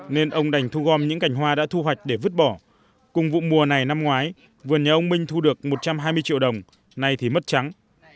nên ông đành thu gom những cành hoa đã thu hoạch để vứt bỏ cùng vụ mùa này năm ngoái vườn nhà ông minh thu được một trăm hai mươi triệu đồng nay thì mất trắng